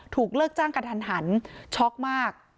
ถูกเลิกจ้างกันทันช็อกมาก